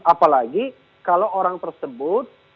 apalagi kalau orang tersebut